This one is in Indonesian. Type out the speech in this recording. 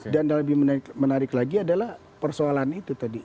dan lebih menarik lagi adalah persoalan itu tadi